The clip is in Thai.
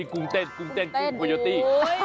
กุ้งเต้นกุ้งที่ปุ๊ยอที